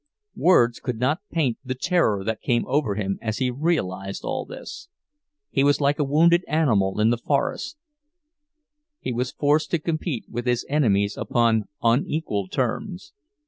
Words could not paint the terror that came over him as he realized all this. He was like a wounded animal in the forest; he was forced to compete with his enemies upon unequal terms.